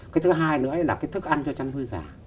cái thứ hai nữa là cái thức ăn cho chăn nuôi gà